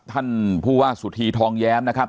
ท่านผู้ว่าสุธีทองแย้มนะครับ